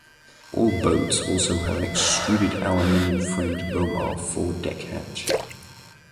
All boats also have an extruded aluminum framed Bomar forward deck hatch.